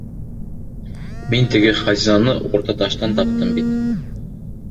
— Мин теге хазинаны Уртаташтан таптым бит.